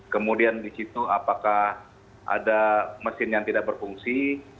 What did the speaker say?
kemudian di situ apakah ada mesin yang tidak berfungsi